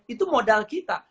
itu modal kita